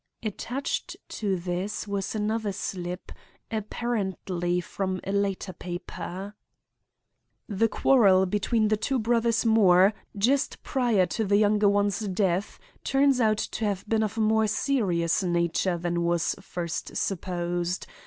Attached to this was another slip, apparently from a later paper. "The quarrel between the two brothers Moore, just prior to the younger one's death, turns out to have been of a more serious nature than was first supposed.